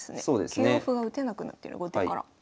９四歩が打てなくなってる後手から。